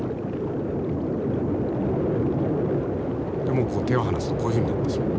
もうここ手を離すとこういうふうになってしまう。